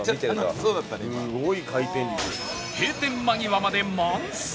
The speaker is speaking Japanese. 閉店間際まで満席